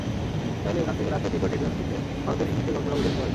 চাইলে এখান থেকে রাঁচির দ্বিতীয় টি-টোয়েন্টিতে ভারতের ইনিংসের গল্পটা বুঝে নিতে পারেন।